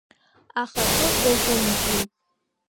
Аха акы дазымбжьеит.